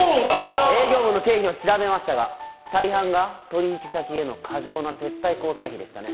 営業部の経費を調べましたが大半が取引先への過剰な接待交際費でしたね。